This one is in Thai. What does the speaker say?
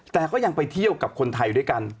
แต่ก็ยังไปเที่ยวกับคนไทยด้วยกัน